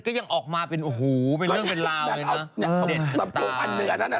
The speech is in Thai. ก็ยังออกมาเป็นอรูหูเป็นเรื่องเป็นราวเลย